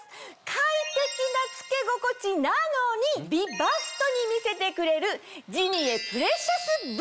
快適な着け心地なのに美バストに見せてくれる。